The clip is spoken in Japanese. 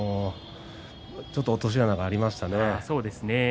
ちょっと落とし穴がありましたね。